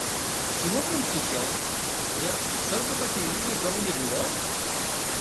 "Czy mógłby przysiąc, że strzelby takiej nigdy w domu nie było?"